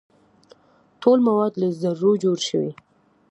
ټول مواد له ذرو جوړ شوي.